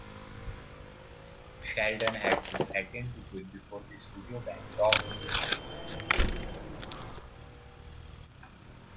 Shelton had to threaten to quit before the studio backed off.